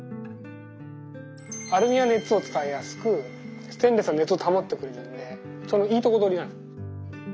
アルミは熱を伝えやすくステンレスは熱を保ってくれるんでそのいいとこどりなの。